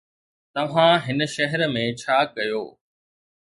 توهان هن شهر ۾ ڇا ڪيو؟